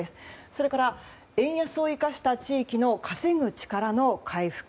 それから円安を生かした地域の稼ぐ力の回復。